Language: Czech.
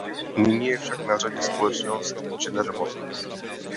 Nyní je však na řadě společnost General Motors.